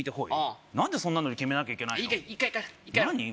うん何でそんなので決めなきゃいけないの？